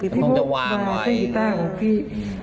พี่ปุ๊ตวางเส้นอีต้าของพี่